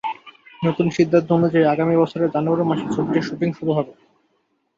নতুন সিদ্ধান্ত অনুযায়ী আগামী বছরের জানুয়ারি মাসে ছবিটির শুটিং শুরু হবে।